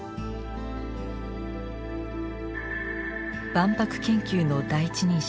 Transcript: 万博研究の第一人者